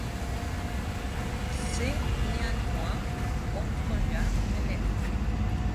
Ce néantmoins octroya les lettres.